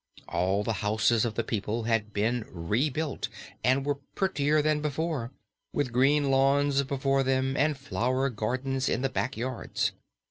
All the houses of the people had been rebuilt and were prettier than before, with green lawns before them and flower gardens in the back yards.